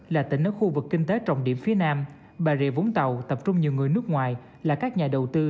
là tỉnh ở khu vực kinh tế trọng điểm phía nam bà rịa vũng tàu tập trung nhiều người nước ngoài là các nhà đầu tư